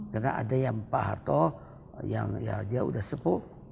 karena ada yang pak harto yang ya dia sudah sepup